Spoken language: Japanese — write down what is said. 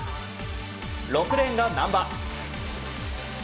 ６レーンが難波。